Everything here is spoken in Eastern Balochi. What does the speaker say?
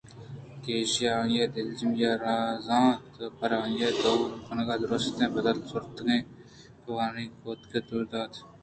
کہ ایشاں آئی ءِ لُچّی ءَ را زانت ءُ پر آئی ءَ دئور کنان ءَ درٛستیں بدل زُرتگیں طائوُنز گوٛتک ءُ دئور دات اَنت